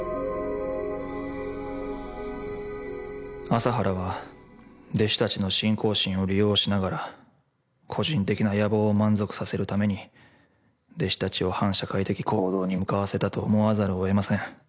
麻原は弟子たちの信仰心を利用しながら個人的な野望を満足させるために弟子たちを反社会的行動に向かわせたと思わざるを得ません。